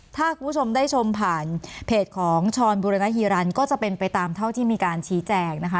ถ้าคุณผู้ชมได้ชมผ่านเพจของช้อนบุรณฮีรันก็จะเป็นไปตามเท่าที่มีการชี้แจงนะคะ